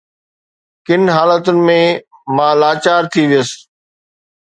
ڪن حالتن ۾ مان لاچار ٿي ويس